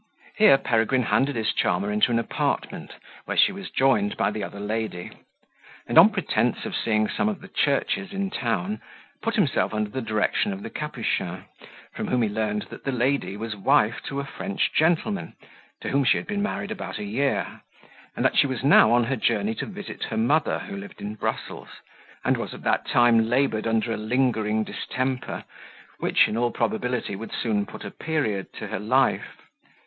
Here Peregrine handed his charmer into an apartment, where she was joined by the other lady; and on pretence of seeing some of the churches in town, put himself under the direction of the Capuchin, from whom he learned that the lady was wife to a French gentleman, to whom she had been married about a year, and that she was now on her journey to visit her mother, who lived in Brussels, and was at that time laboured under a lingering distemper, which, in all probability, would soon put a period to her life.